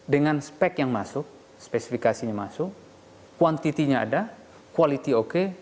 dengan spek yang masuk spesifikasinya masuk kuantitinya ada quality oke